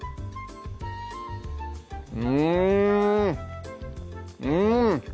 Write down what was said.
うんうん！